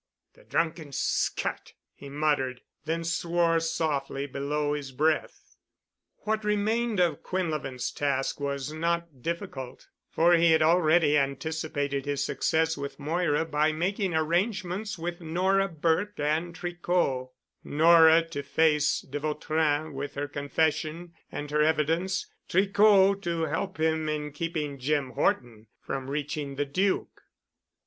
"The drunken scut!" he muttered, then swore softly below his breath. What remained of Quinlevin's task was not difficult, for he had already anticipated his success with Moira by making arrangements with Nora Burke and Tricot, Nora to face de Vautrin with her confession and her evidence, Tricot to help him in keeping Jim Horton from reaching the Duke.